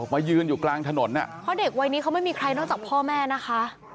มายืนอยู่กลางถนนอ่ะเพราะเด็กวัยนี้เขาไม่มีใครนอกจากพ่อแม่นะคะ